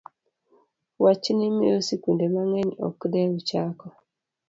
Wachni miyo skunde mang'eny ok dew chako